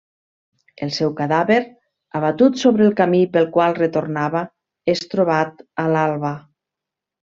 El seu cadàver, abatut sobre el camí pel qual retornava, és trobat a l'alba.